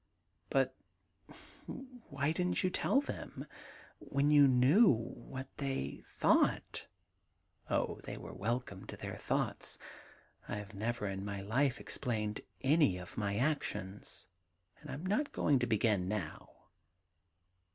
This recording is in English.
*But why didn't you tell them — ^when you knew what they thought ?'' Oh, they are welcome to their thoughts. I 've never in my life explained any of my actions, and I'm not going to begin now.